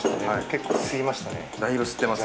結構吸いましたね。